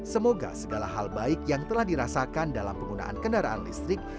semoga segala hal baik yang telah dirasakan dalam penggunaan kendaraan listrik